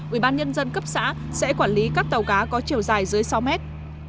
ủy ban nhân dân cấp xã sẽ quản lý các tàu cá có chiều dài dưới sáu mét